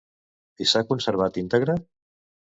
I s'ha conservat íntegre?